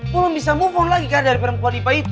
belum bisa move on lagi kan dari perempuan ipa itu